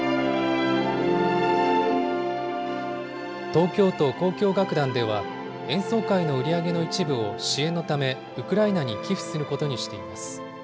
東京都交響楽団では、演奏会の売り上げの一部を支援のため、ウクライナに寄付することにしています。